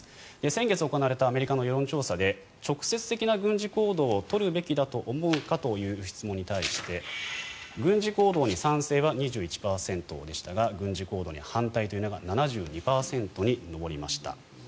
先月行われたアメリカの世論調査で直接的な軍事行動を取るべきだと思うかという質問に対して軍事行動に賛成は２１％でしたが軍事行動に反対というのが７２％に上りました。